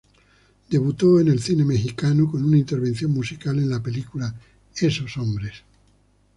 Debutó en el cine mexicano con una intervención musical en la película "¡Esos hombres!